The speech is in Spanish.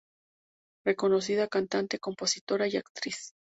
Reconocida cantante, compositora y actriz.